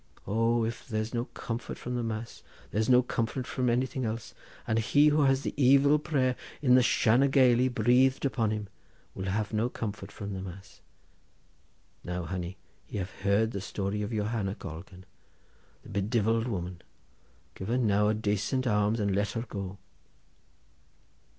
Oh, if there's no comfort from the mass there's no comfort from anything else, and he who has the evil prayer in the Shanna Gailey breathed upon him, will have no comfort from the mass. Now, honey, ye have heard the story of Johanna Colgan, the bedivilled woman. Give her now a dacent alms and let her go!"